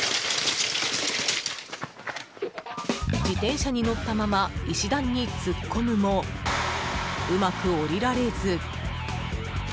自転車に乗ったまま石段に突っ込むもうまく下りられず。